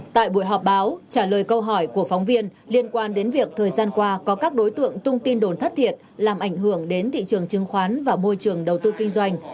tại buổi họp báo trả lời câu hỏi của phóng viên liên quan đến việc thời gian qua có các đối tượng tung tin đồn thất thiệt làm ảnh hưởng đến thị trường chứng khoán và môi trường đầu tư kinh doanh